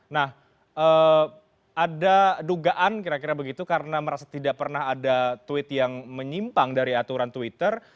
nah ada dugaan kira kira begitu karena merasa tidak pernah ada tweet yang menyimpang dari aturan twitter